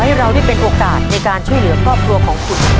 ให้เราได้เป็นโอกาสในการช่วยเหลือครอบครัวของคุณ